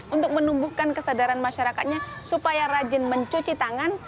untuk menumbuhkan kesadaran masyarakatnya supaya rajin mencuci tangan